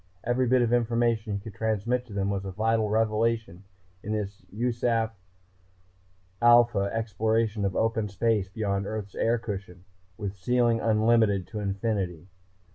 Every bit of information he could transmit to them was a vital revelation in this USAF Alpha exploration of open space beyond Earth's air cushion, with ceiling unlimited to infinity.